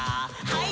はい。